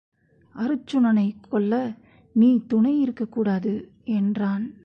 அருச்சுனனைக் கொல்ல நீ துணை இருக்கக்கூடாது என்றான்.